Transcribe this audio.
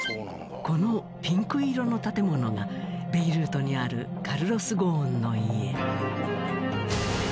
このピンク色の建物がベイルートにあるカルロス・ゴーンの家。